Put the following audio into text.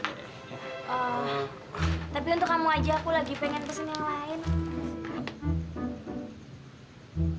tapi untuk kamu aja aku lagi pengen kesini yang lain